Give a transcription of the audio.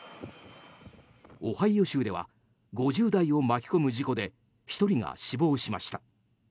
オハイオ州では５０台を巻き込む事故で１人が死亡しました。